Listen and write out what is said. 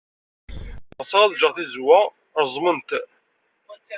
Ɣseɣ ad ǧǧeɣ tizewwa reẓment.